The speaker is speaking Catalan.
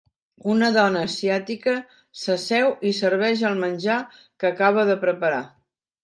Una dona asiàtica s'asseu i serveix el menjar que acaba de preparar.